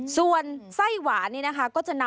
ส่วนซ่อยหวาน